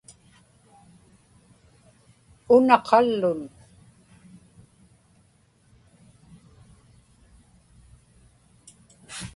una qallun